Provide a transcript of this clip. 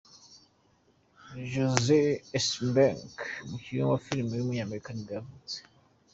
Jesse Eisenberg, umukinnyi wa filime w’umunyamerika nibwo yavutse.